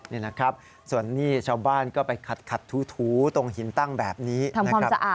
นี่นะครับส่วนนี้ชาวบ้านก็ไปขัดถูตรงหินตั้งแบบนี้นะครับ